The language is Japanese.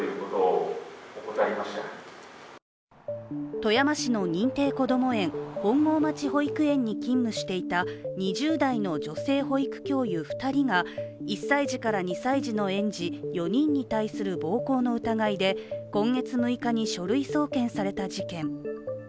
富山市の認定こども園、本郷町保育園に勤務していた２０代の女性保育教諭２人が１歳児から２歳児の園児４人に対する暴行の疑いで今月６日に書類送検された事件。